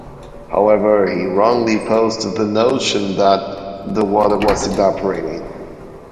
However, he wrongly posed the notion that the water was evaporating.